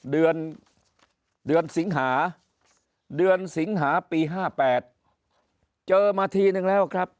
เดือนเดือนสิงหาเดือนสิงหาปี๕๘เจอมาทีนึงแล้วครับ